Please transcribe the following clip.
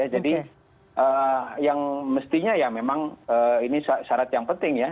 jadi yang mestinya ya memang ini syarat yang penting ya